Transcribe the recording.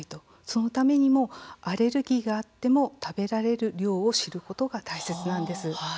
そのためにも、アレルギーがあっても食べられる量を知ることが大切なんです。